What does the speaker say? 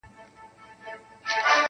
هغه د خلکو له نظره پټه ساتل کيږي هلته,